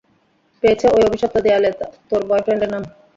পেয়েছে ঐ অভিশপ্ত দেয়ালে তোর বয়ফ্রেন্ডের নাম।